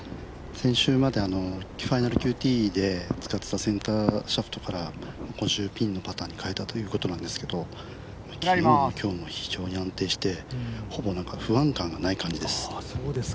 先週までファイナルＱＴで使っていたシャフトから今週、ピンのパターに変えたということなんですが昨日も今日も非常に安定してほぼ不安感がない感じです。